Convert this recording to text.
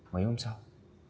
mấy hôm sau